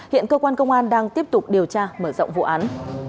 hiện cơ quan công an đang tiếp tục điều tra mở rộng vụ án